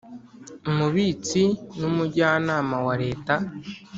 Umubitsi n Umujyanama wa leta